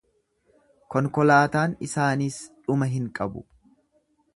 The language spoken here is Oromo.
Konkolaataan isaaniis dhuma hin qabu.